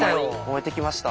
燃えてきました？